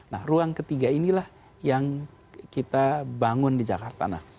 nah ruang ketiga inilah yang kita bangun di jakarta